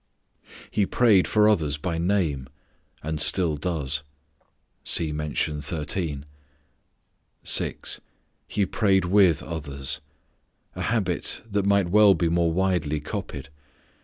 He prayed for others by name, and still does. (See mention 13.) 6. He prayed with others: A habit that might well be more widely copied.